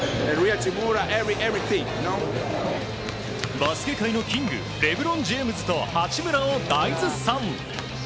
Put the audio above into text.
バスケ界のキングレブロン・ジェームズと八村を大絶賛。